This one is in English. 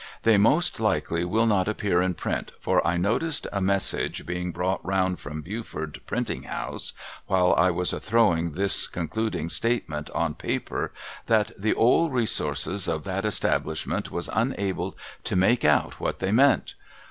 They most likely will not appear in print, for I noticed a message being brought round from Beauford Printing House, while I was a throwing this concluding statement on paper, that the ole resources of that establishment was unable to make out what they meant.